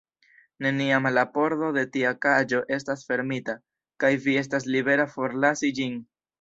Neniam la pordo de tia kaĝo estas fermita, kaj vi estas libera forlasi ĝin.